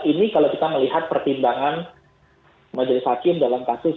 ini kalau kita melihat pertimbangan majelis hakim dalam kasus